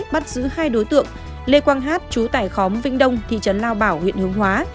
bắt giữ hai đối tượng lê quang hát chú tại khóm vĩnh đông thị trấn lao bảo huyện hương hóa